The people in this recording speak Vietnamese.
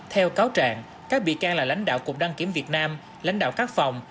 theo cáo trạng các bị can là lãnh đạo cục đăng kiểm việt nam lãnh đạo các phòng